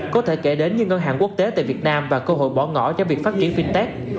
có thể kể đến như ngân hàng quốc tế tại việt nam và cơ hội bỏ ngỏ cho việc phát triển fintech